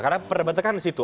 karena perbetakan di situ